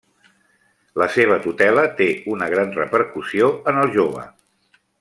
La seva tutela té una gran repercussió en el jove.